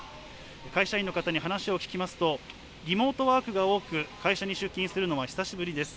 会社員の方に話を聞きますとリモートワークが多く会社に出勤するのは久しぶりです。